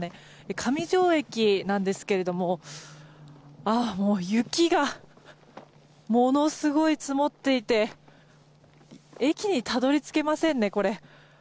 上条駅なんですが雪がものすごい積もっていて駅にたどり着けませんね。